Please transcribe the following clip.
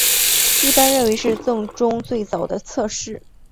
一般认为是政宗最早的侧室。